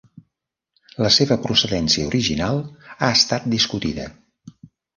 La seva procedència original ha estat discutida.